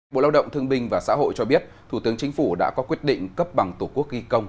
bộ lao động thương binh và xã hội cho biết thủ tướng chính phủ đã có quyết định cấp bằng tổ quốc ghi công